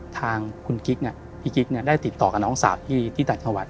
ทางคุณกิ๊กพี่กิ๊กได้ติดต่อกับน้องสาวที่ต่างจังหวัด